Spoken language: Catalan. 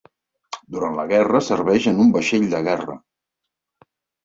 Durant la guerra serveix en un vaixell de guerra.